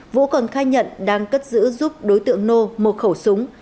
vũ còn khai nhận đang cất giữ giúp đối tượng nô một khẩu súng